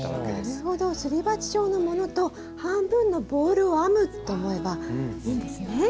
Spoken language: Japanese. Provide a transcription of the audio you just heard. なるほどすり鉢状のものと半分のボールを編むと思えばいいんですね。